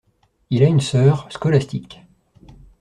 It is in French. Il a une sœur, Scholastique.